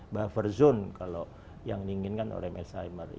buffer zone kalau yang diinginkan oleh merzheimer